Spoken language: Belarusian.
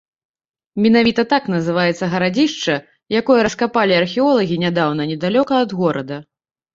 Менавіта так называецца гарадзішча, якое раскапалі археолагі нядаўна недалёка ад горада.